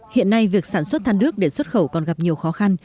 hiện nay việc sản xuất than nước để xuất khẩu còn gặp nhiều khó khăn